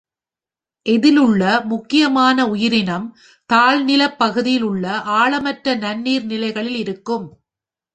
இதிலுள்ள முக்கியமான உயிரினம், தாழ்நிலப் பகுதியில் உள்ள ஆழமற்ற நன்னீர் நிலைகளில் இருக்கும்.